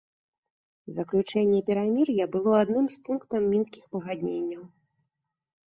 Заключэнне перамір'я было адным з пунктаў мінскіх пагадненняў.